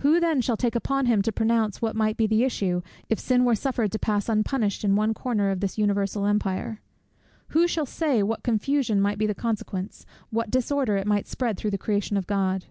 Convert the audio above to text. Who then shall take upon him to pronounce what might be the issue, if sin were suffered to pass unpunished in one corner of this universal empire? Who shall say what confusion might be the consequence, what disorder it might spread through the creation of God?